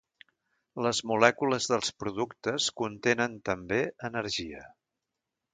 Les molècules dels productes contenen també energia.